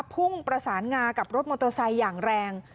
พุ่งประสานงากับรถมอโตซัยอย่างแรง